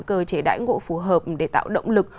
cơ chế đải ngộ phù hợp để tạo động lực